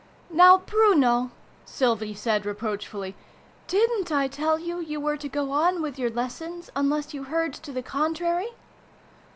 " Now, Bruno," Sylvie said reproachfully, " didn't I tell you you were to go on with your lessons, unless you heard to the contrary